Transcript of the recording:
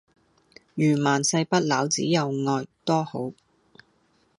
如萬世不朽只有愛多好